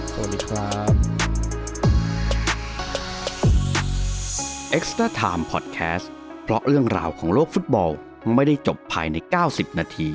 สวัสดีครับ